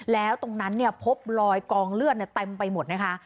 แล้วตรงนั้นพบรอยกองเลือดเต็มไปหมดนะคะ